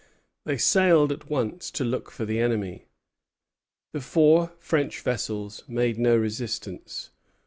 They sailed at once to look for the enemy. The four French vessels made no resistance.